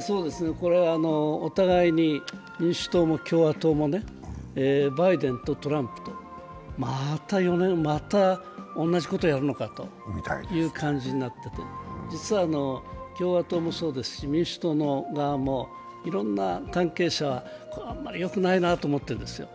これはお互いに民主党も共和党もバイデンとトランプと、また４年同じことやるのかみたいな感じになっていて、実は、共和党もそうですし、民主党の側もいろんな関係者はあんまりよくないなと思っているんですよ